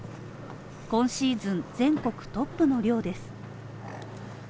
今シーズン、全国トップの量です。